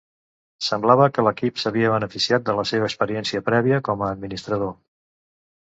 Semblava que l'equip s'havia beneficiat de la seva experiència prèvia com a administrador.